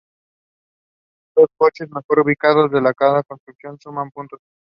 Los dos coches mejor ubicados de cada constructor suman puntos.